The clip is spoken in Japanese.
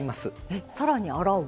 えっさらに洗う？